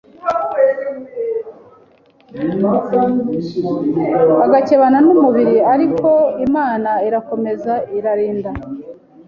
bagakebana n’umubiri ariko Imana irakomeza irandinda